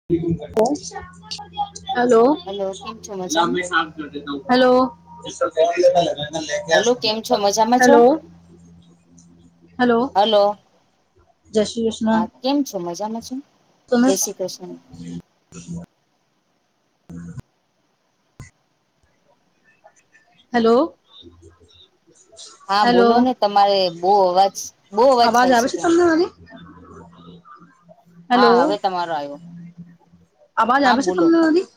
[inaudible] Hello. કેમ છો [inaudible] મજામાં હલો કેમ છો મજામાં છો હલો. હલો. હલો જય શ્રી કૃષ્ણ. હા કેમ છો મજામાં છો. તમે જય છો. શ્રી કૃષ્ણ [inaudible] [inaudible] હલો. હા બોલો ને તમારે બહુ અવાજ બહુ અવાજ થાય છે ત્યા. [inaudible] હા હવે તમારો આય વો આવાજ આવે છે તમને નદી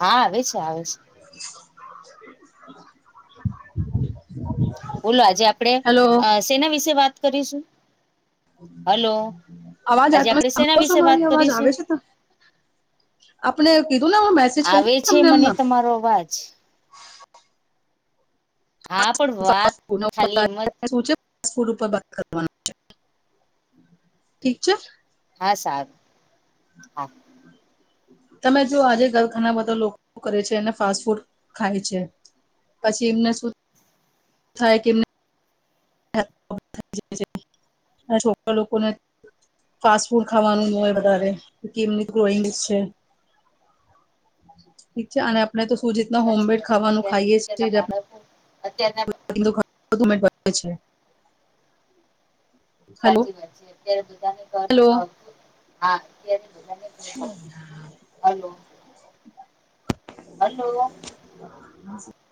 હા આવે છે આવે છે. [unintelligible] બોલો આજે આપડે હેલો સેના વિશે વાત કરીશું. હલો અવાજ આ- આજે તમે આપણેે સેના સાંભળો છો વિશે વાત મારી અવાજ આવે કરીશું. છે તમને? આપણે કીધું ને હું મેસેજ આવે કરી છે તમને મને એમના તમારો અવાજ હા પણ વાત ખાલી એમ જ [unintelligible] ફૂડ ઉપર કરવાનું છે ઠીક છે હા સારું. હા તમે જો આજે ઘર ઘણા બધા લોકો કરે છે અને ફાસ્ટ ફૂડ ખાય છે. પછી એમને શું થાય કે એમને વાત સાચી છે અને છોકરા લોકોને ફાસ્ટ ફૂડ ખાવાનું હોય વધારે એમની ગ્રોઈંગ છે. ઠીક છે આને આપણે તો શું રીતના સાચી હોમમેડ વાત છે ખાવાનું અત્યાર ખાઈએ છીએ અત્યારના બાળકો અત્યારના ગંદુ ખાવાનું. વધુમાં વધે છે. હેલો સાચી વાત છે અત્યારે બધાને ઘ હેલો હા [unintelligible] [unintelligible] હલો હલો